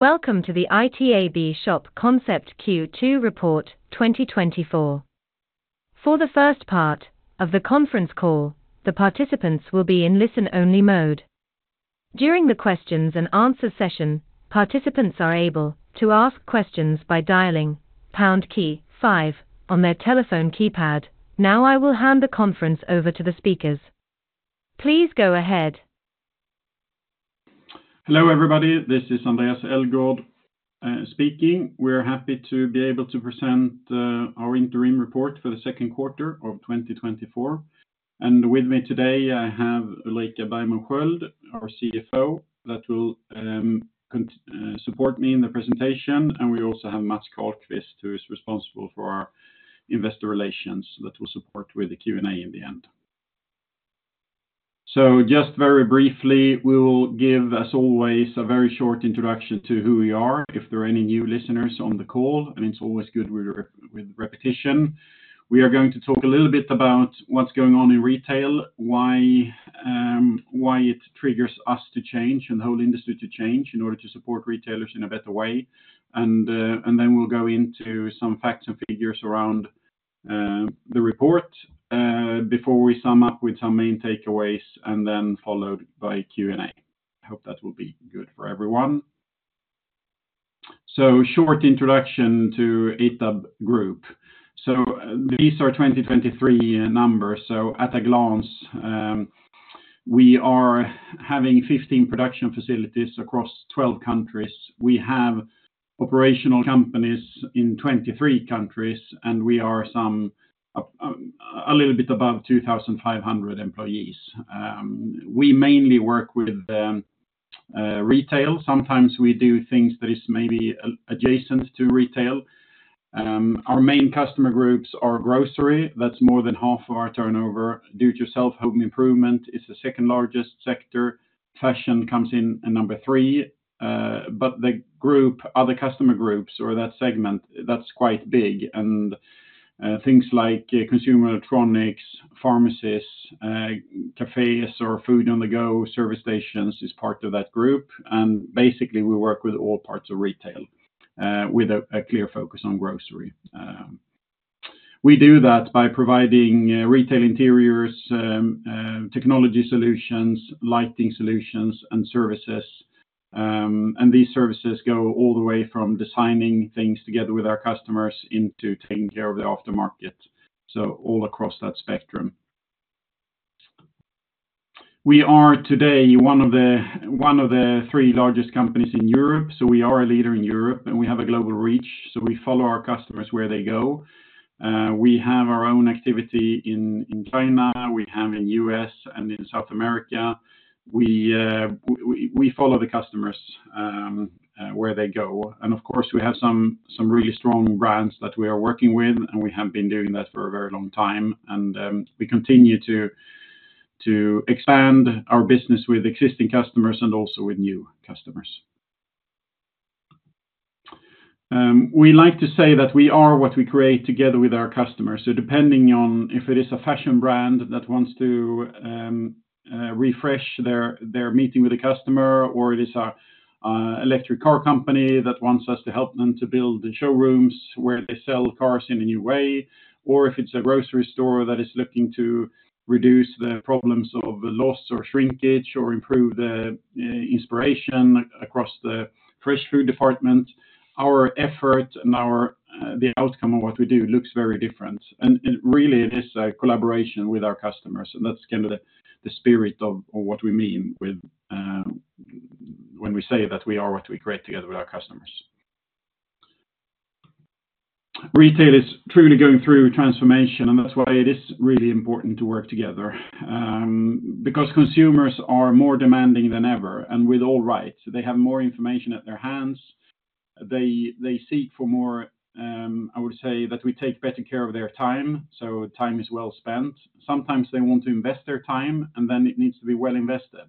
Welcome to the ITAB Shop Concept Q2 Report 2024. For the first part of the conference call, the participants will be in listen-only mode. During the questions and answer session, participants are able to ask questions by dialing pound key five on their telephone keypad. Now I will hand the conference over to the speakers. Please go ahead. Hello, everybody. This is Andréas Elgaard speaking. We're happy to be able to present our interim report for the second quarter of 2024. And with me today, I have Ulrika Bergmo Sköld, our CFO, that will support me in the presentation, and we also have Mats Karlqvist, who is responsible for our investor relations, that will support with the Q&A in the end. So just very briefly, we will give, as always, a very short introduction to who we are, if there are any new listeners on the call, and it's always good with repetition. We are going to talk a little bit about what's going on in retail, why why it triggers us to change, and the whole industry to change in order to support retailers in a better way. And then we'll go into some facts and figures around the report before we sum up with some main takeaways and then followed by Q&A. I hope that will be good for everyone. Short introduction to ITAB Group. These are 2023 numbers, so at a glance, we are having 15 production facilities across 12 countries. We have operational companies in 23 countries, and we are some, a little bit above 2,500 employees. We mainly work with retail. Sometimes we do things that is maybe adjacent to retail. Our main customer groups are grocery. That's more than half of our turnover. Do-it-yourself home improvement is the second largest sector. Fashion comes in at number three, but other customer groups or that segment, that's quite big. Things like consumer electronics, pharmacies, cafes, or food on the go, service stations, is part of that group. Basically, we work with all parts of retail, with a clear focus on grocery. We do that by providing retail interiors, technology solutions, lighting solutions, and services. And these services go all the way from designing things together with our customers into taking care of the aftermarket, so all across that spectrum. We are today one of the three largest companies in Europe, so we are a leader in Europe, and we have a global reach, so we follow our customers where they go. We have our own activity in China, we have in U.S. and in South America. We follow the customers where they go. And of course, we have some really strong brands that we are working with, and we have been doing that for a very long time. We continue to expand our business with existing customers and also with new customers. We like to say that we are what we create together with our customers. So depending on if it is a fashion brand that wants to refresh their meeting with a customer, or it is a electric car company that wants us to help them to build the showrooms where they sell cars in a new way, or if it's a grocery store that is looking to reduce the problems of loss or shrinkage or improve the inspiration across the fresh food department, our effort and our the outcome of what we do looks very different. Really, it is a collaboration with our customers, and that's kind of the spirit of what we mean with, when we say that we are what we create together with our customers. Retail is truly going through transformation, and that's why it is really important to work together, because consumers are more demanding than ever, and with all right. They have more information at their hands. They seek for more, I would say, that we take better care of their time, so time is well spent. Sometimes they want to invest their time, and then it needs to be well invested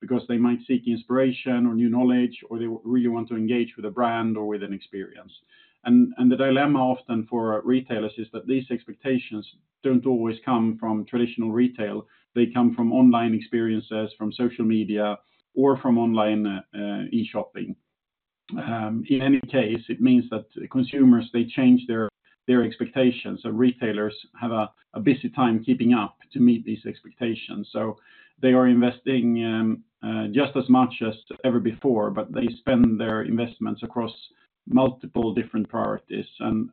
because they might seek inspiration or new knowledge, or they really want to engage with a brand or with an experience. The dilemma often for retailers is that these expectations don't always come from traditional retail. They come from online experiences, from social media or from online, e-shopping. In any case, it means that consumers, they change their expectations. So retailers have a busy time keeping up to meet these expectations. So they are investing just as much as ever before, but they spend their investments across multiple different priorities. And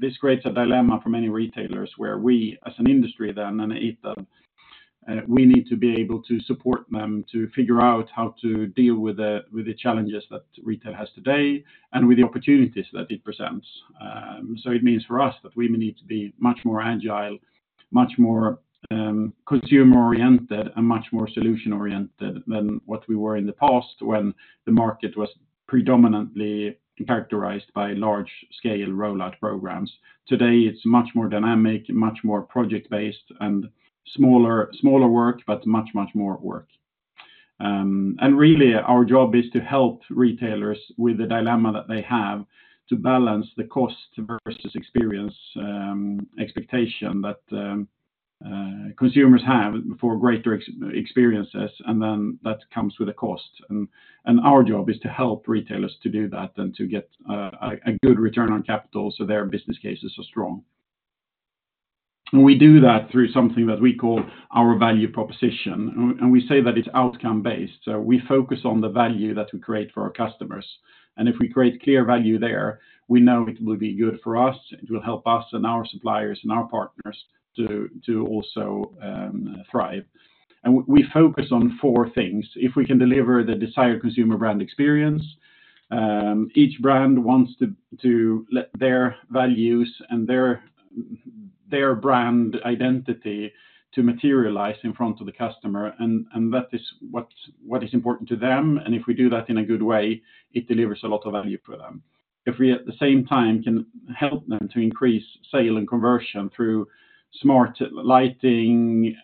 this creates a dilemma for many retailers, where we, as an industry then, and at ITAB, we need to be able to support them to figure out how to deal with the challenges that retail has today and with the opportunities that it presents. So it means for us that we need to be much more agile, much more consumer-oriented, and much more solution-oriented than what we were in the past when the market was predominantly characterized by large-scale rollout programs. Today, it's much more dynamic, much more project-based, and smaller, smaller work, but much, much more work. And really, our job is to help retailers with the dilemma that they have to balance the cost versus experience, expectation that consumers have for greater experiences, and then that comes with a cost. And, and our job is to help retailers to do that, and to get, a, a good return on capital, so their business cases are strong. And we do that through something that we call our value proposition, and, and we say that it's outcome-based. So we focus on the value that we create for our customers. And if we create clear value there, we know it will be good for us, it will help us, and our suppliers, and our partners to, to also, thrive. We focus on four things. If we can deliver the desired consumer brand experience, each brand wants to let their values and their brand identity to materialize in front of the customer, and that is what is important to them. And if we do that in a good way, it delivers a lot of value for them. If we, at the same time, can help them to increase sale and conversion through smart lighting,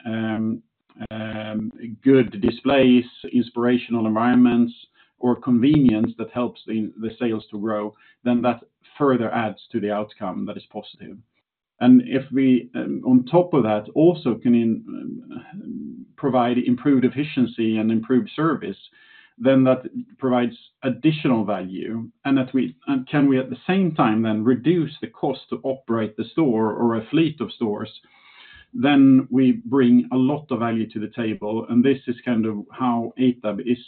good displays, inspirational environments, or convenience that helps the sales to grow, then that further adds to the outcome that is positive. And if we, on top of that, also can provide improved efficiency and improved service, then that provides additional value. And that we can at the same time, then reduce the cost to operate the store or a fleet of stores, then we bring a lot of value to the table, and this is kind of how ITAB is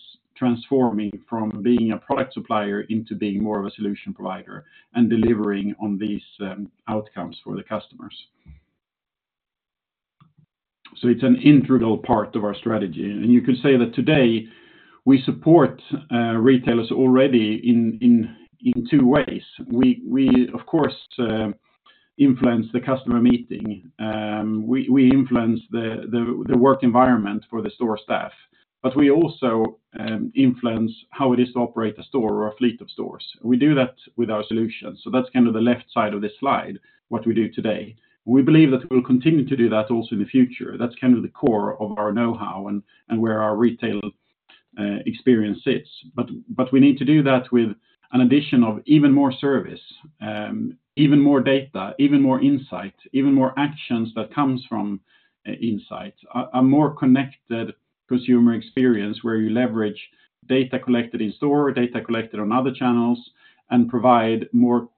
transforming from being a product supplier into being more of a solution provider, and delivering on these outcomes for the customers. So it's an integral part of our strategy. And you can say that today, we support retailers already in two ways. We of course influence the customer meeting. We influence the work environment for the store staff, but we also influence how it is to operate a store or a fleet of stores. We do that with our solutions. So that's kind of the left side of this slide, what we do today. We believe that we'll continue to do that also in the future. That's kind of the core of our know-how and where our retail experience is. But we need to do that with an addition of even more service, even more data, even more insight, even more actions that comes from insight. A more connected consumer experience, where you leverage data collected in store, data collected on other channels, and provide more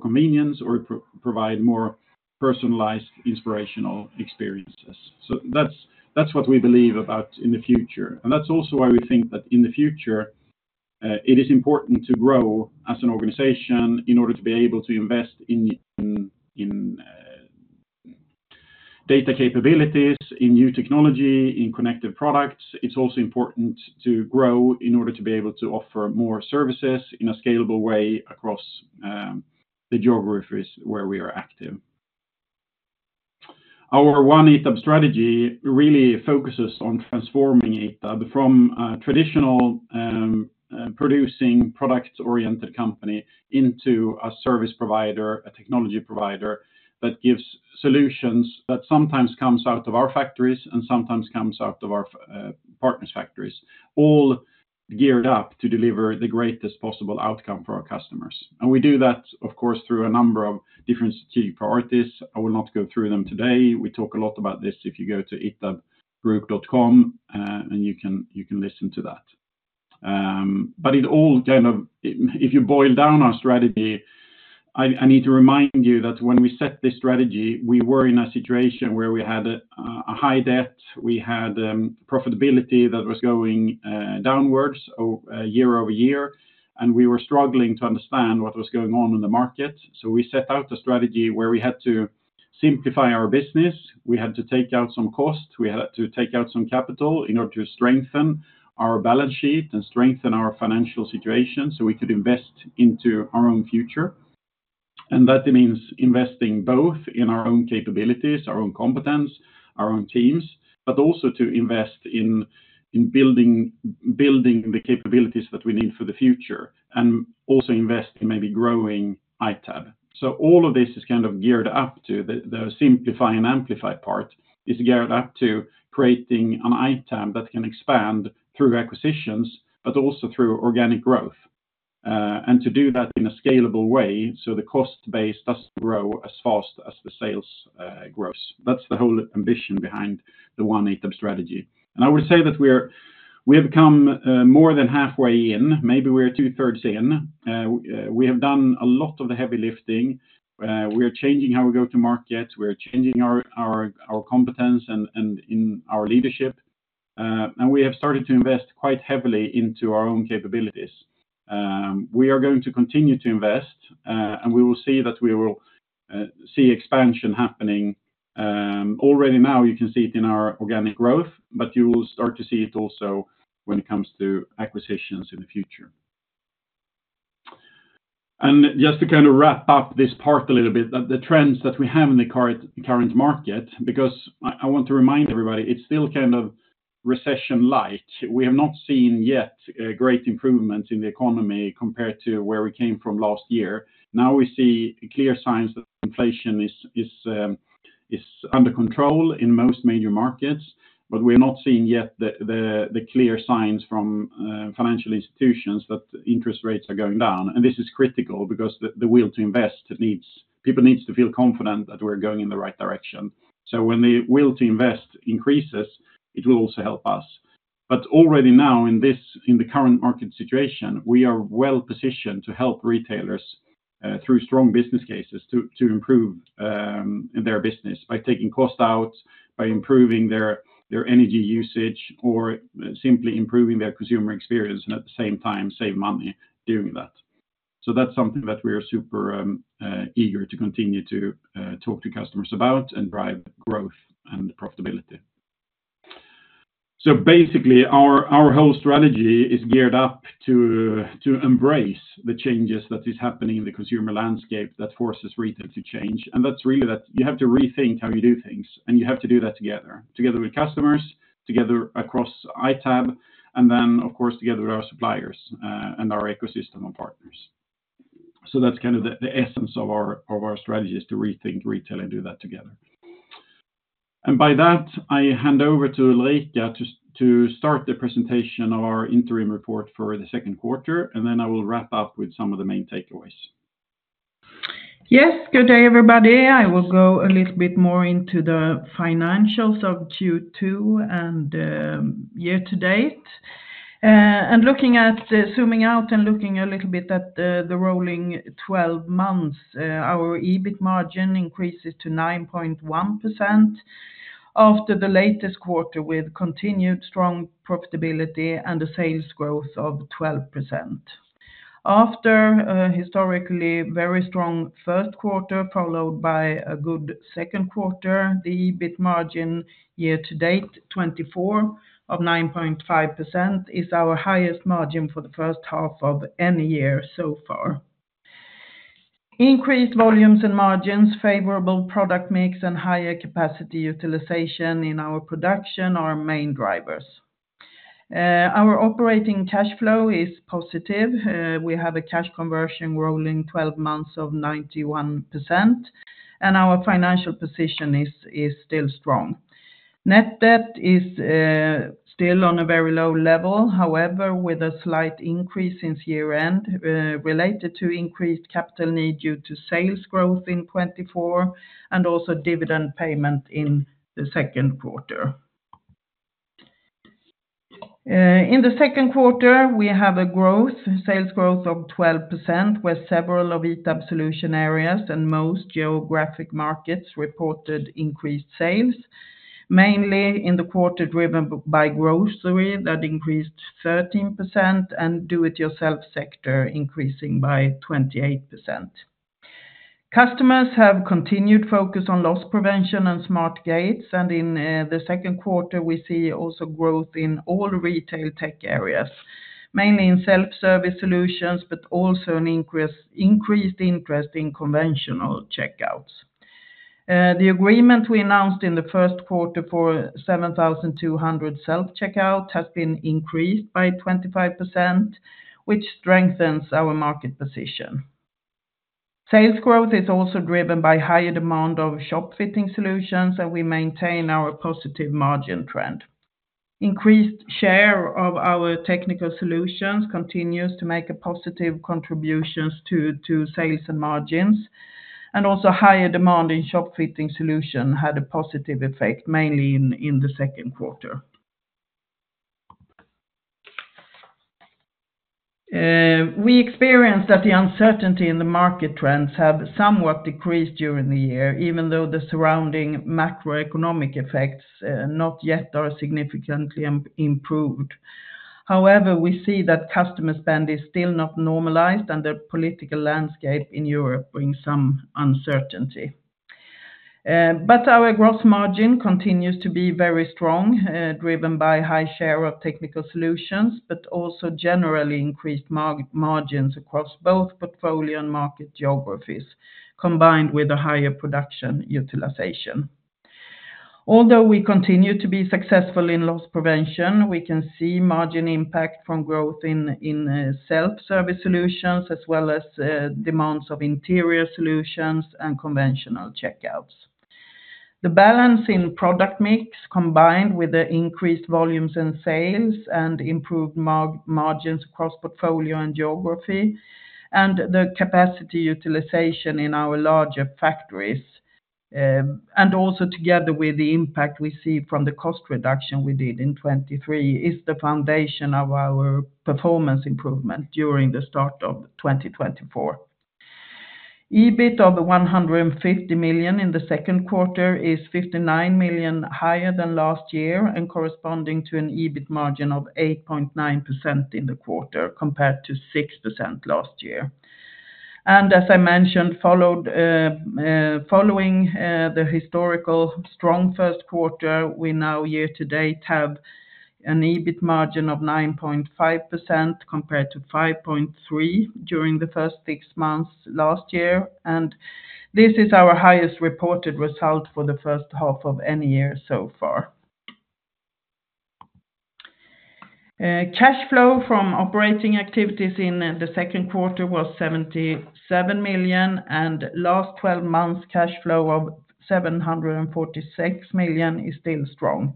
convenience or provide more personalized, inspirational experiences. So that's what we believe about in the future. And that's also why we think that in the future it is important to grow as an organization in order to be able to invest in data capabilities, in new technology, in connected products. It's also important to grow in order to be able to offer more services in a scalable way across the geographies where we are active. Our One ITAB strategy really focuses on transforming ITAB from a traditional producing products-oriented company into a service provider, a technology provider, that gives solutions that sometimes comes out of our factories and sometimes comes out of our partners' factories, all geared up to deliver the greatest possible outcome for our customers. And we do that, of course, through a number of different strategic priorities. I will not go through them today. We talk a lot about this if you go to itabgroup.com, and you can, you can listen to that. But it all kind of. If you boil down our strategy, I need to remind you that when we set this strategy, we were in a situation where we had a high debt, we had profitability that was going downwards year-over-year, and we were struggling to understand what was going on in the market. So we set out a strategy where we had to simplify our business, we had to take out some costs, we had to take out some capital in order to strengthen our balance sheet and strengthen our financial situation, so we could invest into our own future. And that means investing both in our own capabilities, our own competence, our own teams, but also to invest in building the capabilities that we need for the future, and also invest in maybe growing ITAB. So all of this is kind of geared up to the simplify and amplify part, is geared up to creating an ITAB that can expand through acquisitions, but also through organic growth. To do that in a scalable way, so the cost base doesn't grow as fast as the sales grows. That's the whole ambition behind the One ITAB strategy. I would say that we have come more than halfway in, maybe we're two-thirds in. We have done a lot of the heavy lifting. We are changing how we go to market, we are changing our competence and in our leadership. We have started to invest quite heavily into our own capabilities. We are going to continue to invest, and we will see that we will see expansion happening. Already now, you can see it in our organic growth, but you will start to see it also when it comes to acquisitions in the future. Just to kind of wrap up this part a little bit, the trends that we have in the current market, because I want to remind everybody, it's still kind of recession light. We have not seen yet a great improvement in the economy compared to where we came from last year. Now we see clear signs that inflation is under control in most major markets, but we're not seeing yet the clear signs from financial institutions that interest rates are going down. This is critical because the will to invest, people need to feel confident that we're going in the right direction. So when the will to invest increases, it will also help us. But already now in the current market situation, we are well positioned to help retailers through strong business cases, to improve their business by taking cost out, by improving their energy usage, or simply improving their consumer experience, and at the same time, save money doing that. So that's something that we are super eager to continue to talk to customers about and drive growth and profitability. So basically, our whole strategy is geared up to embrace the changes that is happening in the consumer landscape that forces retail to change. And that's really that you have to rethink how you do things, and you have to do that together, together with customers, together across ITAB, and then, of course, together with our suppliers, and our ecosystem of partners. So that's kind of the essence of our strategy is to rethink retail and do that together. And by that, I hand over to Ulrika to start the presentation of our interim report for the second quarter, and then I will wrap up with some of the main takeaways. Yes, good day, everybody. I will go a little bit more into the financials of Q2 and year to date. Looking at zooming out and looking a little bit at the rolling twelve months, our EBIT margin increases to 9.1% after the latest quarter, with continued strong profitability and a sales growth of 12%. After a historically very strong first quarter, followed by a good second quarter, the EBIT margin year to date, 2024 of 9.5%, is our highest margin for the first half of any year so far. Increased volumes and margins, favorable product mix, and higher capacity utilization in our production are our main drivers. Our operating cash flow is positive. We have a cash conversion rolling twelve months of 91%, and our financial position is still strong. Net debt is still on a very low level, however, with a slight increase since year-end, related to increased capital need due to sales growth in 2024, and also dividend payment in the second quarter. In the second quarter, we have a growth, sales growth of 12%, with several of ITAB solution areas and most geographic markets reported increased sales, mainly in the quarter driven by grocery that increased 13%, and do-it-yourself sector increasing by 28%. Customers have continued focus on loss prevention and smart gates, and in the second quarter, we see also growth in all retail tech areas, mainly in self-service solutions, but also increased interest in conventional checkouts. The agreement we announced in the first quarter for 7,200 self-checkout has been increased by 25%, which strengthens our market position. Sales growth is also driven by higher demand of shop fitting solutions, and we maintain our positive margin trend. Increased share of our technical solutions continues to make a positive contributions to sales and margins, and also higher demand in shop fitting solution had a positive effect, mainly in the second quarter. We experienced that the uncertainty in the market trends have somewhat decreased during the year, even though the surrounding macroeconomic effects not yet are significantly improved. However, we see that customer spend is still not normalized, and the political landscape in Europe brings some uncertainty. But our gross margin continues to be very strong, driven by high share of technical solutions, but also generally increased margins across both portfolio and market geographies, combined with a higher production utilization. Although we continue to be successful in loss prevention, we can see margin impact from growth in self-service solutions, as well as demands of interior solutions and conventional checkouts. The balance in product mix, combined with the increased volumes in sales and improved margins across portfolio and geography, and the capacity utilization in our larger factories, and also together with the impact we see from the cost reduction we did in 2023, is the foundation of our performance improvement during the start of 2024. EBIT of 150 million in the second quarter is 59 million higher than last year, and corresponding to an EBIT margin of 8.9% in the quarter, compared to 6% last year. As I mentioned, following the historical strong first quarter, we now year to date have an EBIT margin of 9.5%, compared to 5.3% during the first six months last year, and this is our highest reported result for the first half of any year so far. Cash flow from operating activities in the second quarter was 77 million, and last twelve months, cash flow of 746 million is still strong.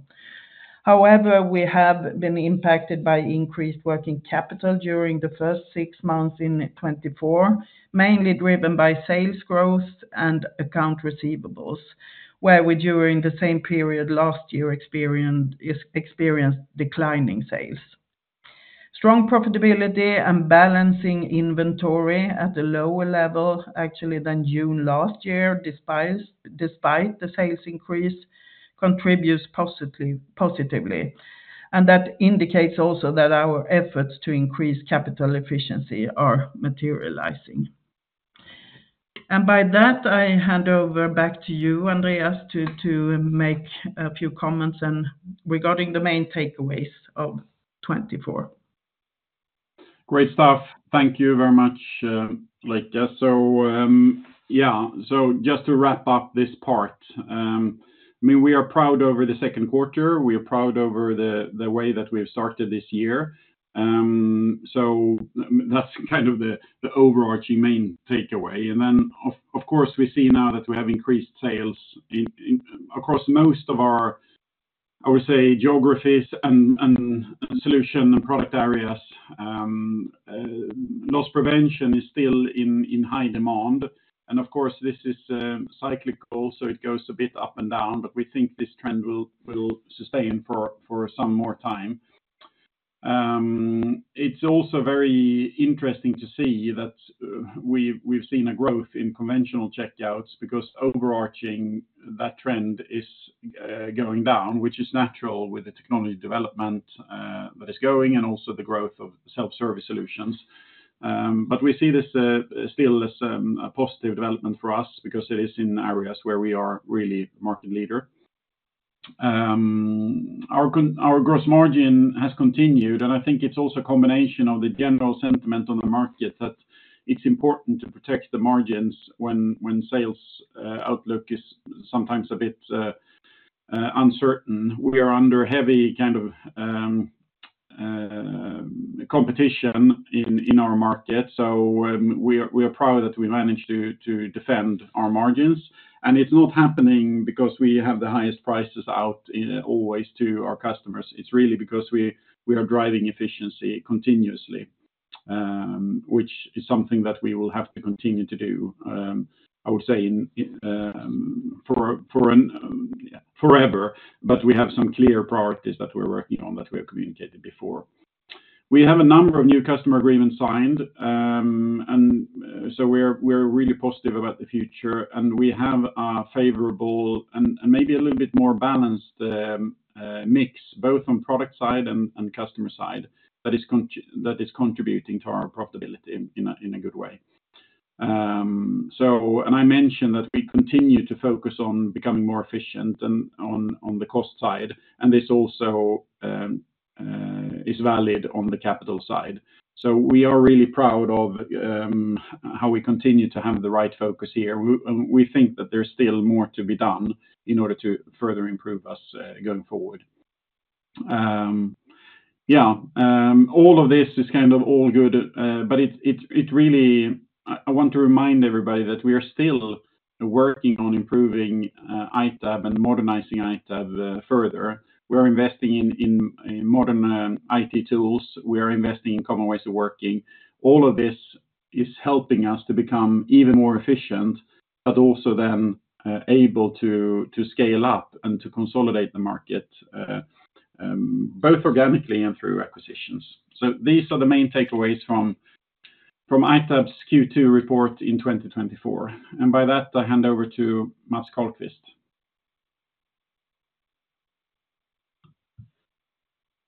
However, we have been impacted by increased working capital during the first six months in 2024, mainly driven by sales growth and accounts receivable, where we, during the same period last year, experienced declining sales. Strong profitability and balancing inventory at a lower level actually than June last year, despite the sales increase, contributes positively. That indicates also that our efforts to increase capital efficiency are materializing. By that, I hand over back to you, Andréas, to make a few comments and regarding the main takeaways of 2024. Great stuff. Thank you very much, Ulrika. So, yeah, so just to wrap up this part, I mean, we are proud over the second quarter. We are proud over the way that we have started this year. So that's kind of the overarching main takeaway. And then, of course, we see now that we have increased sales in across most of our, I would say, geographies and solution and product areas. Loss prevention is still in high demand, and of course, this is cyclical, so it goes a bit up and down, but we think this trend will sustain for some more time. It's also very interesting to see that, we've seen a growth in conventional checkouts, because overarching, that trend is going down, which is natural with the technology development that is going, and also the growth of self-service solutions. But we see this still as a positive development for us because it is in areas where we are really market leader. Our gross margin has continued, and I think it's also a combination of the general sentiment on the market, that it's important to protect the margins when sales outlook is sometimes a bit uncertain. We are under heavy, kind of, competition in our market, so we are proud that we managed to defend our margins. It's not happening because we have the highest prices out always to our customers. It's really because we are driving efficiency continuously, which is something that we will have to continue to do, I would say, in for forever. But we have some clear priorities that we're working on, that we have communicated before. We have a number of new customer agreements signed, and so we're really positive about the future, and we have a favorable and maybe a little bit more balanced mix, both on product side and customer side, that is contributing to our profitability in a good way. So, and I mentioned that we continue to focus on becoming more efficient and on the cost side, and this also is valid on the capital side. So we are really proud of how we continue to have the right focus here. We, and we think that there's still more to be done in order to further improve us, going forward. Yeah, all of this is kind of all good, but it really... I want to remind everybody that we are still working on improving ITAB and modernizing ITAB further. We are investing in modern IT tools. We are investing in common ways of working. All of this is helping us to become even more efficient, but also then, able to, to scale up and to consolidate the market, both organically and through acquisitions. So these are the main takeaways from ITAB's Q2 report in 2024. And by that, I hand over to Mats Karlqvist.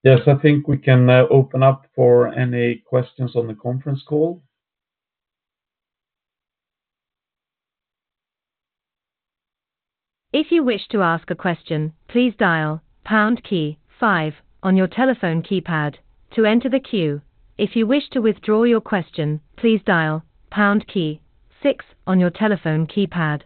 Yes, I think we can, open up for any questions on the conference call. If you wish to ask a question, please dial pound key five on your telephone keypad to enter the queue. If you wish to withdraw your question, please dial pound key six on your telephone keypad.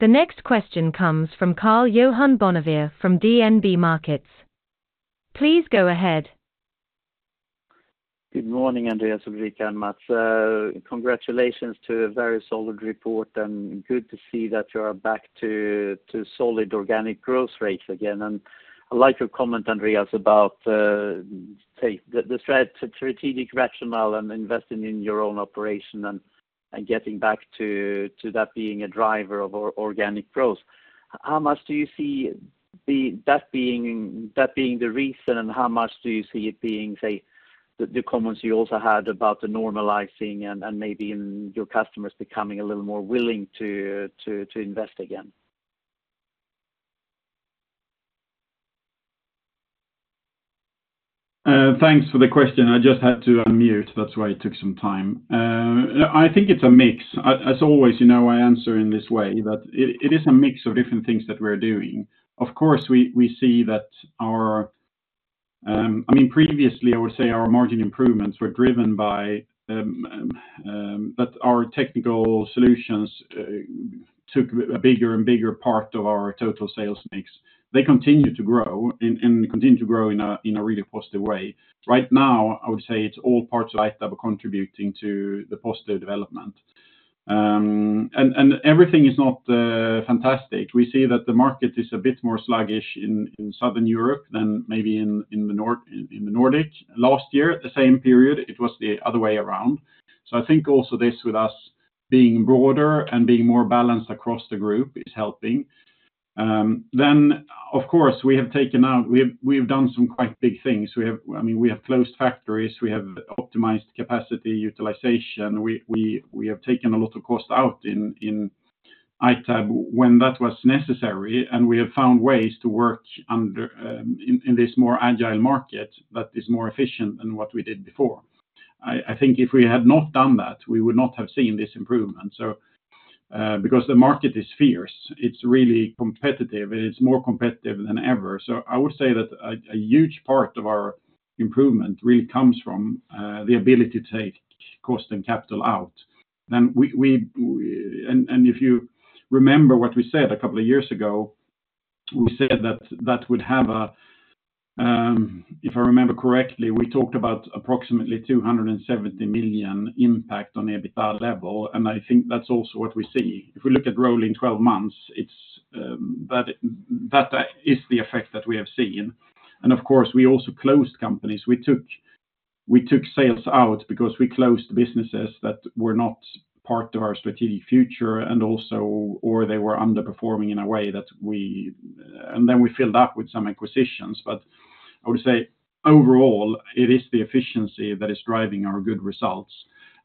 The next question comes from Karl-Johan Bonnevier from DNB Markets. Please go ahead. Good morning, Andreas, Ulrika, and Mats. Congratulations to a very solid report, and good to see that you are back to solid organic growth rates again. I like your comment, Andreas, about the strategic rationale and investing in your own operation, and getting back to that being a driver of organic growth. How much do you see that being the reason, and how much do you see it being the comments you also had about the normalizing and maybe even your customers becoming a little more willing to invest again? Thanks for the question. I just had to unmute, that's why it took some time. I think it's a mix. As always, you know I answer in this way, but it is a mix of different things that we're doing. Of course, we see that our... I mean, previously, I would say our margin improvements were driven by, but our technical solutions took a bigger and bigger part of our total sales mix. They continue to grow and continue to grow in a really positive way. Right now, I would say it's all parts of ITAB are contributing to the positive development. And everything is not fantastic. We see that the market is a bit more sluggish in Southern Europe than maybe in the Nordic. Last year, at the same period, it was the other way around. So I think also this with us being broader and being more balanced across the group is helping. Then, of course, we have done some quite big things. We have, I mean, we have closed factories, we have optimized capacity utilization, we have taken a lot of cost out in ITAB when that was necessary, and we have found ways to work under in this more agile market that is more efficient than what we did before. I think if we had not done that, we would not have seen this improvement. So, because the market is fierce, it's really competitive, and it's more competitive than ever. So I would say that a huge part of our improvement really comes from the ability to take cost and capital out. Then and if you remember what we said a couple of years ago, we said that that would have a if I remember correctly, we talked about approximately 270 million impact on EBITDA level, and I think that's also what we see. If we look at rolling twelve months, it's that that is the effect that we have seen. And of course, we also closed companies. We took sales out because we closed businesses that were not part of our strategic future, and also or they were underperforming in a way that we... And then we filled up with some acquisitions. But I would say, overall, it is the efficiency that is driving our good results,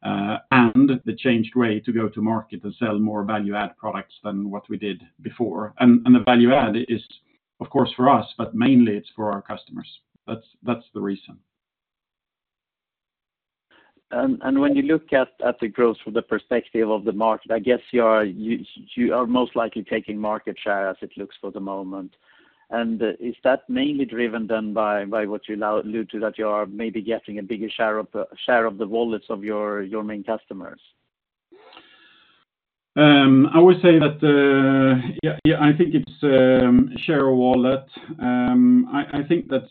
and the changed way to go to market and sell more value-add products than what we did before. And the value add is, of course, for us, but mainly it's for our customers. That's the reason. When you look at the growth from the perspective of the market, I guess you are most likely taking market share as it looks for the moment. And is that mainly driven then by what you now allude to, that you are maybe getting a bigger share of the wallets of your main customers? I would say that I think it's share of wallet. I think that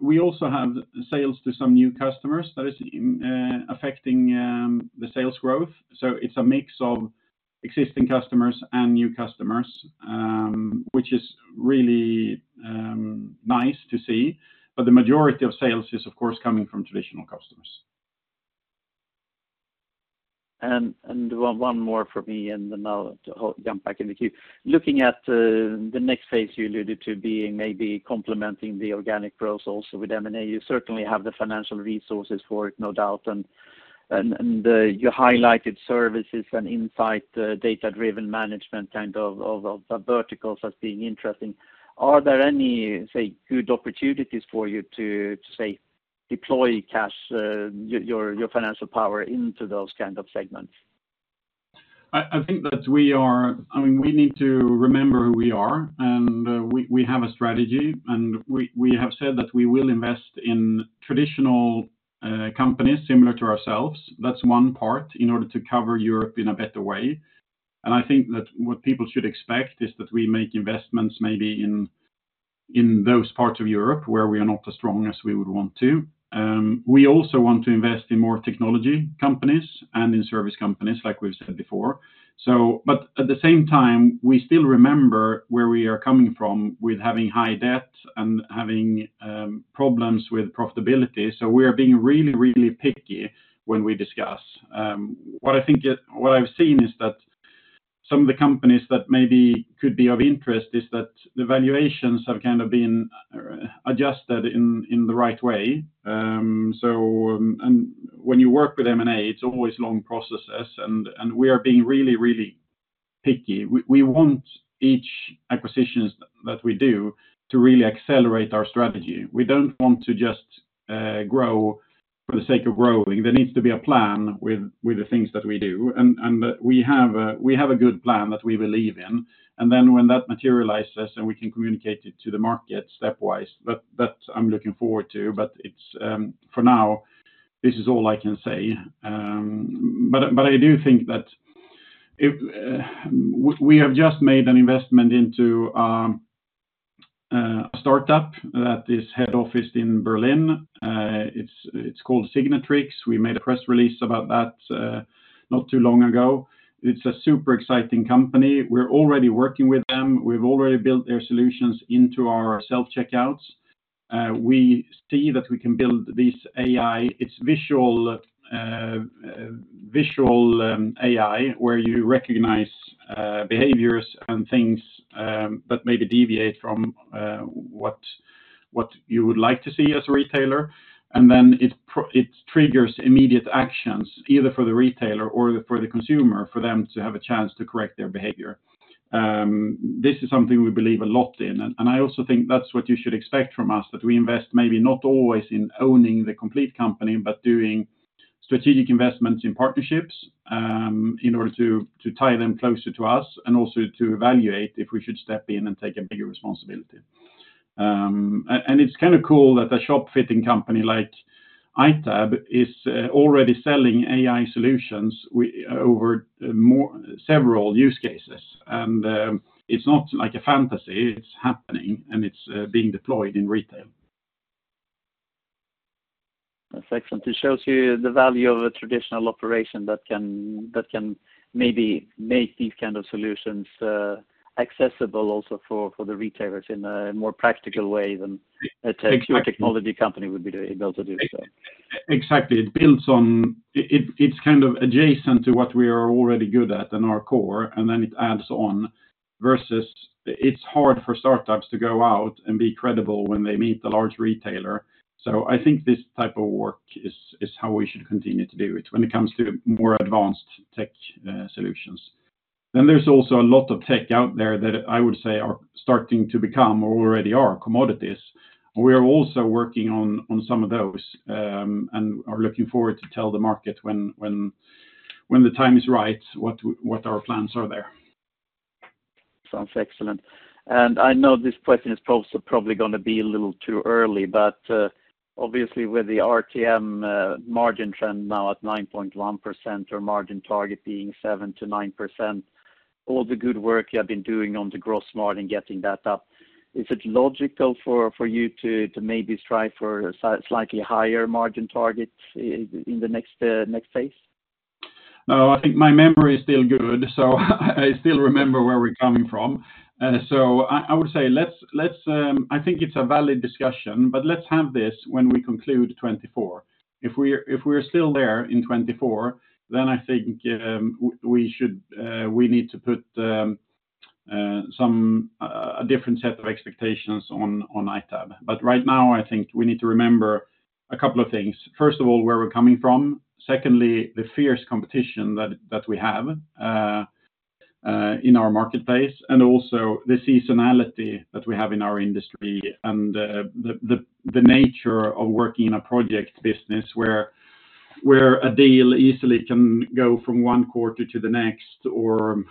we also have sales to some new customers that is affecting the sales growth. So it's a mix of existing customers and new customers, which is really nice to see. But the majority of sales is, of course, coming from traditional customers. One more for me, and then I'll jump back in the queue. Looking at the next phase you alluded to being maybe complementing the organic growth also with M&A, you certainly have the financial resources for it, no doubt. And you highlighted services and insight, data-driven management, kind of verticals as being interesting. Are there any, say, good opportunities for you to say, deploy cash, your financial power into those kind of segments? I think that we are... I mean, we need to remember who we are, and we have a strategy, and we have said that we will invest in traditional companies similar to ourselves. That's one part in order to cover Europe in a better way. I think that what people should expect is that we make investments maybe in those parts of Europe where we are not as strong as we would want to. We also want to invest in more technology companies and in service companies, like we've said before. But at the same time, we still remember where we are coming from with having high debt and having problems with profitability. So we are being really, really picky when we discuss. What I think is what I've seen is that some of the companies that maybe could be of interest is that the valuations have kind of been adjusted in the right way. So, and when you work with M&A, it's always long processes, and we are being really, really picky. We want each acquisitions that we do to really accelerate our strategy. We don't want to just grow for the sake of growing. There needs to be a plan with the things that we do, and we have a good plan that we believe in. And then when that materializes, then we can communicate it to the market stepwise. But that, I'm looking forward to, but it's for now, this is all I can say. But I do think that if... We have just made an investment into a start-up that is headquartered in Berlin. It's called Signatrix. We made a press release about that not too long ago. It's a super exciting company. We're already working with them. We've already built their solutions into our self-checkouts. We see that we can build this AI. It's visual AI, where you recognize behaviors and things that maybe deviate from what you would like to see as a retailer. And then it triggers immediate actions, either for the retailer or for the consumer, for them to have a chance to correct their behavior. This is something we believe a lot in, and I also think that's what you should expect from us, that we invest maybe not always in owning the complete company, but doing strategic investments in partnerships, in order to tie them closer to us and also to evaluate if we should step in and take a bigger responsibility. And it's kind of cool that a shop fitting company like ITAB is already selling AI solutions over several use cases. It's not like a fantasy, it's happening, and it's being deployed in retail. That's excellent. It shows you the value of a traditional operation that can maybe make these kind of solutions accessible also for the retailers in a more practical way than- Exactly... a pure technology company would be doing able to do so.... Exactly. It builds on it, it's kind of adjacent to what we are already good at in our core, and then it adds on, versus it's hard for startups to go out and be credible when they meet the large retailer. So I think this type of work is how we should continue to do it when it comes to more advanced tech solutions. Then there's also a lot of tech out there that I would say are starting to become or already are commodities. We are also working on some of those, and are looking forward to tell the market when the time is right, what our plans are there. Sounds excellent. And I know this question is also probably gonna be a little too early, but, obviously with the EBIT margin trend now at 9.1%, or margin target being 7%-9%, all the good work you have been doing on the growth margin, getting that up, is it logical for you to maybe strive for a slightly higher margin target in the next phase? No, I think my memory is still good, so I still remember where we're coming from. So I would say let's, I think it's a valid discussion, but let's have this when we conclude 2024. If we're still there in 2024, then I think we should, we need to put a different set of expectations on ITAB. But right now, I think we need to remember a couple of things. First of all, where we're coming from. Secondly, the fierce competition that we have in our marketplace, and also the seasonality that we have in our industry and the nature of working in a project business where a deal easily can go from one quarter to the next or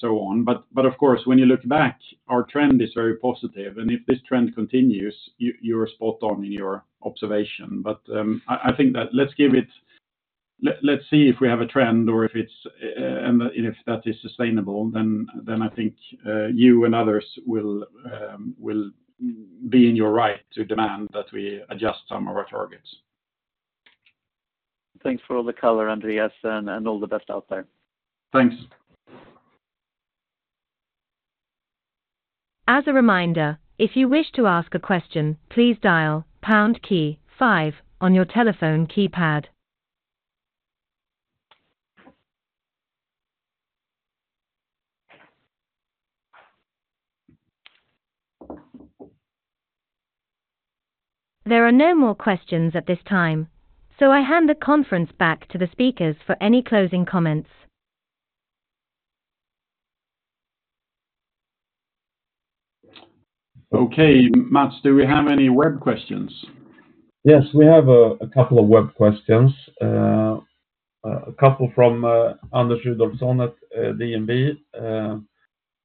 so on. But of course, when you look back, our trend is very positive, and if this trend continues, you're spot on in your observation. But I think that let's give it... let's see if we have a trend or if it's, and if that is sustainable, then I think you and others will be in your right to demand that we adjust some of our targets. Thanks for all the color, Andreas, and all the best out there. Thanks. As a reminder, if you wish to ask a question, please dial pound key five on your telephone keypad. There are no more questions at this time, so I hand the conference back to the speakers for any closing comments. Okay, Mats, do we have any web questions? Yes, we have a couple of web questions. A couple from Anders Rudolfsson at DNB.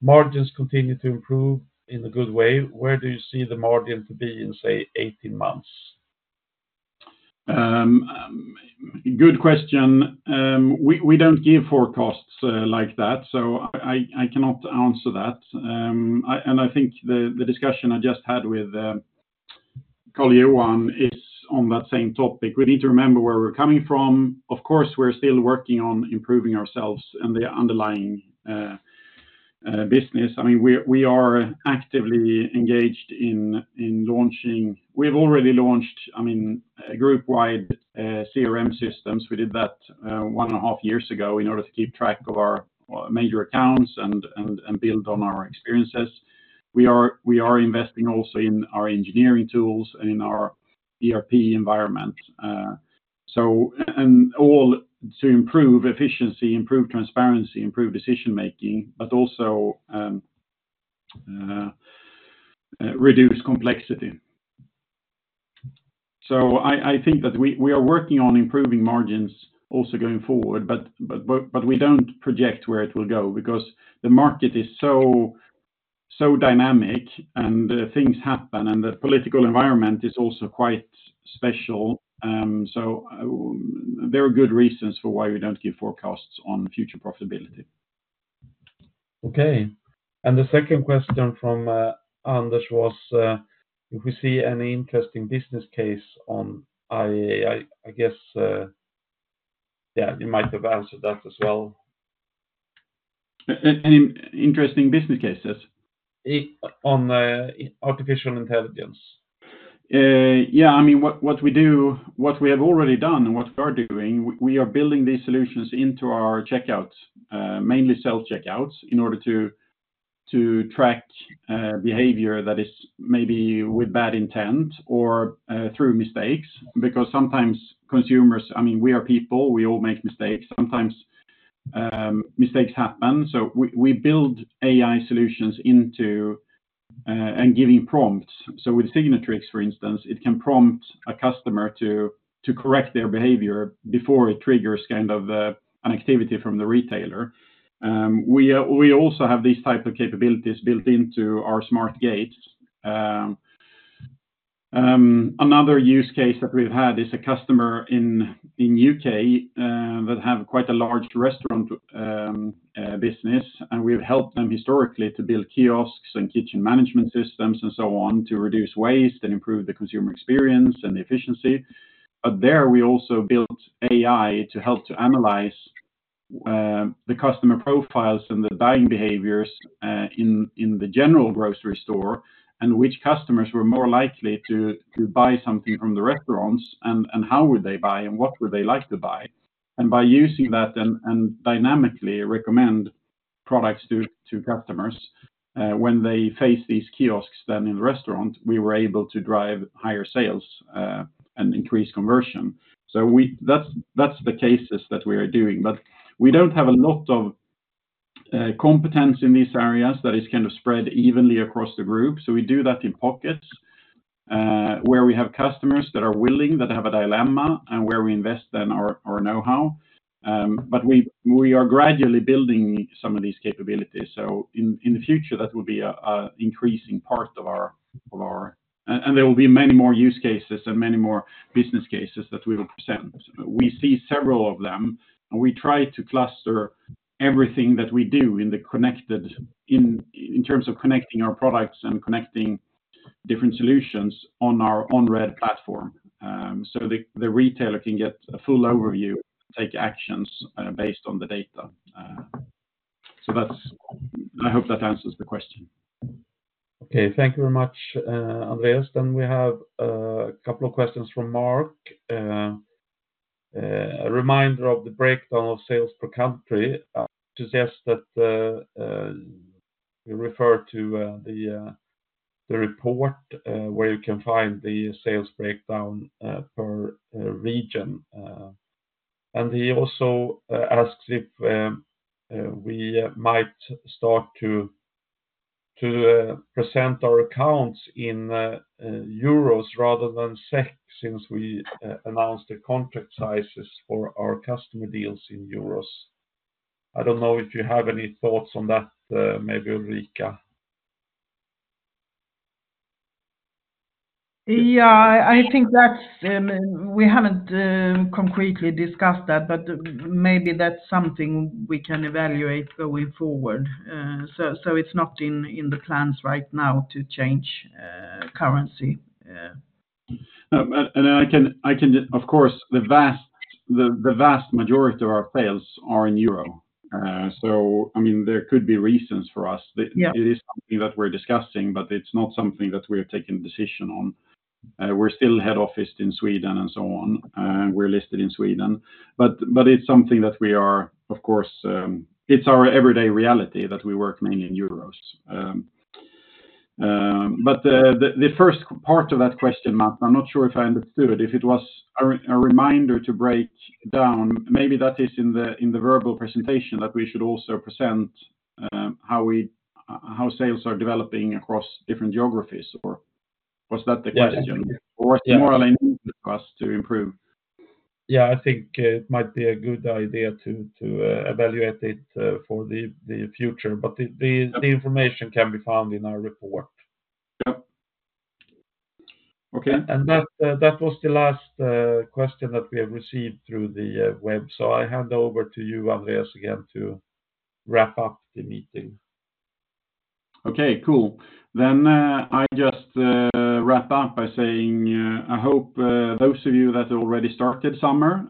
Margins continue to improve in a good way. Where do you see the margin to be in, say, 18 months? Good question. We don't give forecasts like that, so I cannot answer that. I think the discussion I just had with Karl-Johan is on that same topic. We need to remember where we're coming from. Of course, we're still working on improving ourselves and the underlying business. I mean, we are actively engaged in launching. We've already launched, I mean, a group-wide CRM systems. We did that 1.5 years ago in order to keep track of our major accounts and build on our experiences. We are investing also in our engineering tools and in our ERP environment. So all to improve efficiency, improve transparency, improve decision-making, but also reduce complexity. So I think that we are working on improving margins also going forward, but we don't project where it will go because the market is so dynamic and things happen, and the political environment is also quite special. So there are good reasons for why we don't give forecasts on future profitability. Okay. And the second question from Anders was if we see any interesting business case on AI, I guess... Yeah, you might have answered that as well. Any interesting business cases? On artificial intelligence. Yeah, I mean, what we do, what we have already done and what we are doing, we are building these solutions into our checkouts, mainly self-checkouts, in order to track behavior that is maybe with bad intent or through mistakes, because sometimes consumers, I mean, we are people, we all make mistakes. Sometimes mistakes happen, so we build AI solutions into and giving prompts. So with Signatrix, for instance, it can prompt a customer to correct their behavior before it triggers kind of an activity from the retailer. We also have these type of capabilities built into our smart gates. Another use case that we've had is a customer in UK that have quite a large restaurant business, and we've helped them historically to build kiosks and kitchen management systems and so on, to reduce waste and improve the consumer experience and efficiency. But there, we also built AI to help to analyze the customer profiles and the buying behaviors in the general grocery store, and which customers were more likely to buy something from the restaurants, and how would they buy, and what would they like to buy? And by using that and dynamically recommend products to customers when they face these kiosks, then in the restaurant, we were able to drive higher sales and increase conversion. So that's the cases that we are doing. But we don't have a lot of competence in these areas that is kind of spread evenly across the group, so we do that in pockets, where we have customers that are willing, that have a dilemma, and where we invest then our know-how. But we are gradually building some of these capabilities. So in the future, that will be a increasing part of our. And there will be many more use cases and many more business cases that we will present. We see several of them, and we try to cluster everything that we do in the connected, in terms of connecting our products and connecting different solutions on our OnRed platform. So the retailer can get a full overview, take actions, based on the data. So that's. I hope that answers the question. Okay. Thank you very much, Andréas. Then we have a couple of questions from Marc. A reminder of the breakdown of sales per country suggests that you refer to the report, where you can find the sales breakdown per region. And he also asks if we might start to present our accounts in euros rather than SEK, since we announced the contract sizes for our customer deals in euros. I don't know if you have any thoughts on that, maybe Ulrika? Yeah, I think that's... We haven't concretely discussed that, but maybe that's something we can evaluate going forward. So, it's not in the plans right now to change currency. Of course, the vast majority of our sales are in euro. So, I mean, there could be reasons for us- Yeah. But it is something that we're discussing, but it's not something that we have taken a decision on. We're still head officed in Sweden and so on, and we're listed in Sweden. But, but it's something that we are, of course... It's our everyday reality that we work mainly in euros. But the first part of that question, Mark, I'm not sure if I understood, if it was a reminder to break down, maybe that is in the verbal presentation, that we should also present how we, how sales are developing across different geographies, or was that the question? Yeah. Or is it more like us to improve? Yeah, I think it might be a good idea to evaluate it for the future, but the information can be found in our report. Yep. Okay. And that was the last question that we have received through the web. So I hand over to you, Andréas, again, to wrap up the meeting. Okay, cool. Then I just wrap up by saying, I hope those of you that already started summer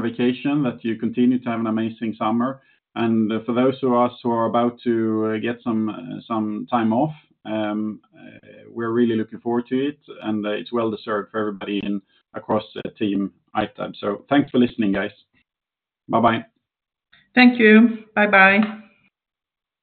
vacation, that you continue to have an amazing summer. And for those of us who are about to get some time off, we're really looking forward to it, and it's well deserved for everybody in and across the team at ITAB. So thanks for listening, guys. Bye-bye. Thank you. Bye-bye.